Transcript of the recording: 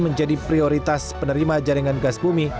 menjadi prioritas penerima jaringan gas bumi